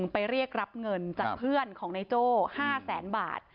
ไปเรียกรับเงินจากเพื่อนของนายโจ้๕แสนบาท